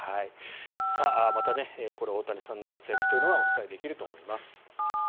またこれ大谷さんの活躍というのはお伝えできると思います。